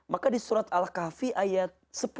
maka di surat al kahfi ayat sepuluh